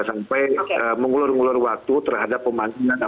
sampai mengulur ngulur waktu terhadap pemandangan